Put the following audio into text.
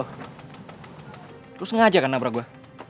terus sengaja kan nabrak gue